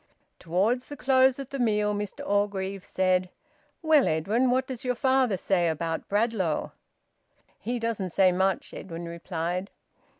Towards the close of the meal, Mr Orgreave said "Well, Edwin, what does your father say about Bradlaugh?" "He doesn't say much," Edwin replied.